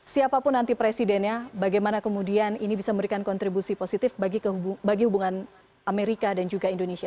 siapapun nanti presidennya bagaimana kemudian ini bisa memberikan kontribusi positif bagi hubungan amerika dan juga indonesia